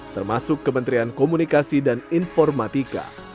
termasuk kementerian komunikasi dan informatika